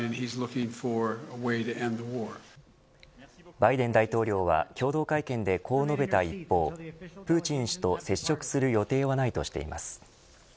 バイデン大統領は共同会見でこう述べた一方プーチン氏と接触する予定はないとしています。